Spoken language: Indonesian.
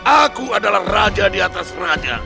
aku adalah raja diatas raja